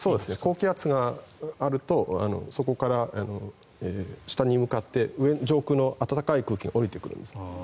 高気圧があるとそこから下に向かって上空の暖かい空気が下りてくるんです。